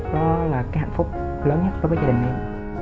đó là cái hạnh phúc lớn nhất với gia đình em